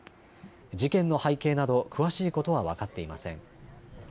事件の背景など詳しいことは分かっていません。